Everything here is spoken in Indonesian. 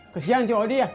kesian cik odi ya